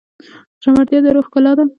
زړورتیا د روح ښکلا ده.